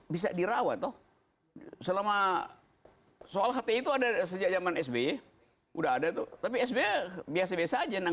bisa dirawat oh selama soal hti itu ada sejak zaman sby udah ada tuh tapi sby biasa biasa aja